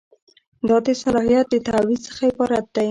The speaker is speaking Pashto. دا د صلاحیت د تعویض څخه عبارت دی.